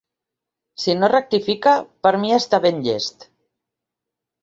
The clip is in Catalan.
Si no rectifica, per mi està ben llest.